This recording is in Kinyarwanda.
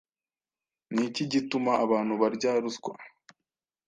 Ni iki gituma abantu barya ruswa?